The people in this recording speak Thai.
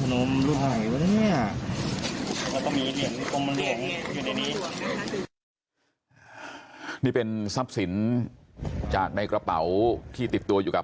นี่เป็นทรัพย์สินจากในกระเป๋าที่ติดตัวอยู่กับ